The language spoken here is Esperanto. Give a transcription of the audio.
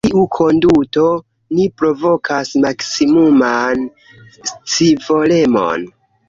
Per tiu konduto, ni provokas maksimuman scivolemon.